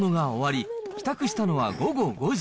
買い物が終わり、帰宅したのは午後５時。